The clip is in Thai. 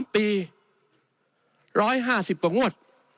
ปี๑๕๐กว่างวด